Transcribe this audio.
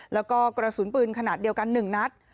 แล้วก็กระสุนปืนขนาดเดียวกัน๑นัด